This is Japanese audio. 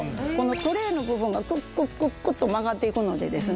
トレーの部分がクックックックッと曲がっていくのでですね